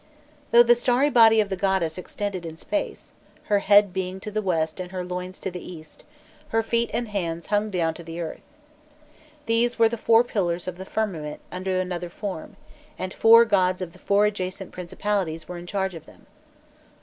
Though the starry body of the goddess extended in space her head being to the west and her loins to the east her feet and hands hung down to the earth. These were the four pillars of the firmament under another form, and four gods of four adjacent principalities were in charge of them.